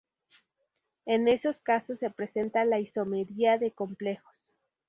En esos casos se presenta la isomería de complejos.